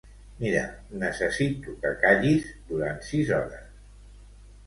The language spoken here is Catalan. Mira, necessito que callis durant sis hores.